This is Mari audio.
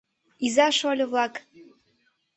Иза-шольо-влак!